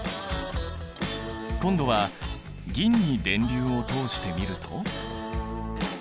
今度は銀に電流を通してみると。